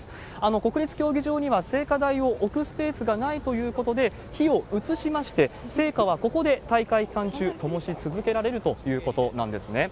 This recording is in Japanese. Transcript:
国立競技場には聖火台を置くスペースがないということで、火を移しまして、聖火はここで大会期間中、ともし続けられるということなんですね。